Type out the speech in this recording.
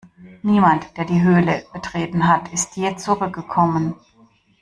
Niemand, der die Höhle betreten hat, ist je zurückgekommen.